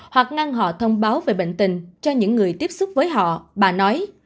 hoặc ngăn họ thông báo về bệnh tình cho những người tiếp xúc với họ bà nói